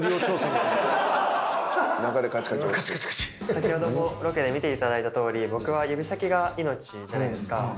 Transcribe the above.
先ほどのロケで見ていただいたとおり僕は指先が命じゃないですか。